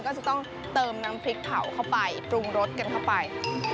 ก็จะต้องเติมน้ำพริกเผาเข้าไปปรุงรสกันเข้าไป